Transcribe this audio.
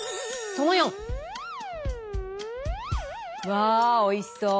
わあおいしそう。